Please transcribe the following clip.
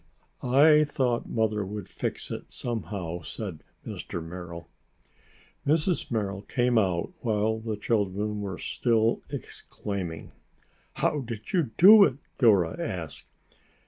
"I thought Mother would fix it somehow," said Mr. Merrill. Mrs. Merrill came out while the children were still exclaiming. "How did you do it?" Dora asked.